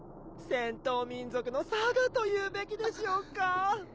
戦闘民族のさがと言うべきでしょうか。